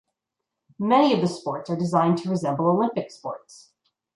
Many of the sports are designed to resemble Olympic sports.